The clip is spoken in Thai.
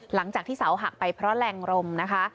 หลังจากที่เสาหักไปเพราะแรงลมนะคะ